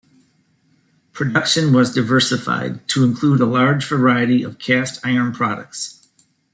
Production was diversified to include a large variety of cast iron products.